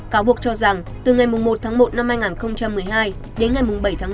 cáo buộc cho rằng từ ngày một tháng một năm hai nghìn một mươi hai đến ngày bảy tháng năm